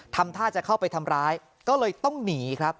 ทำท่าจะเข้าไปทำร้ายก็เลยต้องหนีครับ